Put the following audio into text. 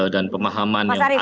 dan pemahaman agama yang berbeda